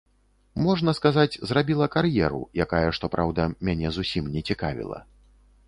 Можна сказаць, зрабіла кар'еру, якая, што праўда, мяне зусім не цікавіла.